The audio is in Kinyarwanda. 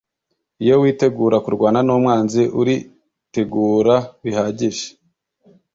« Iyo witegura kurwana n’umwanzi uri tegura bihagije